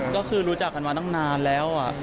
ก็คือรู้จักกันมาตั้งนานแล้ว